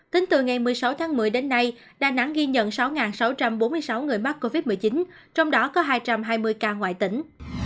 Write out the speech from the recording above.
tính từ ngày một mươi sáu tháng một mươi đến nay đà nẵng ghi nhận sáu sáu trăm bốn mươi sáu người mắc covid một mươi chín trong đó có hai trăm hai mươi ca ngoại tỉnh